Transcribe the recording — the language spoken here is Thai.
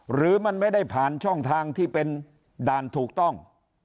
หรือมันไม่ได้ผ่านช่องทางที่เป็นด่านถูกต้อง